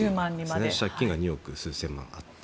借金が２億数千万あって。